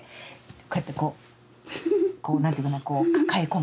こうやってこうこう何て言うかな抱え込む。